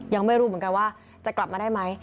ยังไม่รู้เหมือนกันว่าจะกลับมาได้ไหม